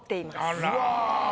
あら。